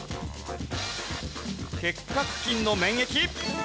結核菌の免疫。